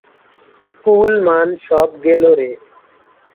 কুল-মান সব গেলো রে!